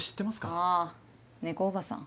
あぁ猫おばさん。